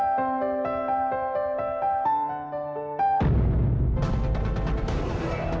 sampai jumpa di video selanjutnya